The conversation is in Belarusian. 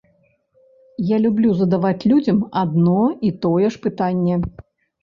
Я люблю задаваць людзям адно і тое ж пытанне.